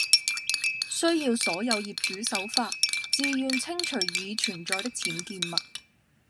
需要所有業主守法，自願清除已存在的僭建物